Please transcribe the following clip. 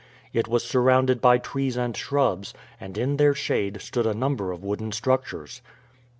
It was surrounded by trees and shrubs, and in their shade stood a number of wooden structures.